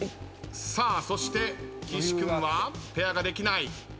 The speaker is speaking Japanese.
そして岸君はペアができない。